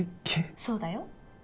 そうだよ。